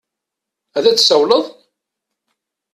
Ad d-tsawaleḍ?